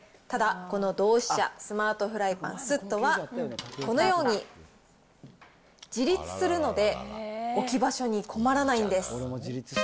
ただ、このドウシシャ、スマートフライパンスットはこのように自立するので、置き場所に困らないんです。